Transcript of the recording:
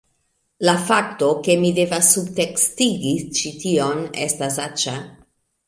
La fakto, ke mi devas subtekstigi ĉi tion, estas aĉa...